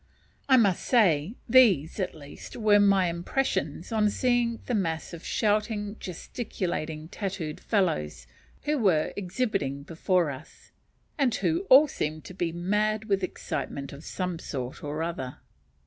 I must say these, at least, were my impressions on seeing the mass of shouting, gesticulating, tattooed fellows, who were exhibiting before us, and who all seemed to be mad with excitement of some sort or other.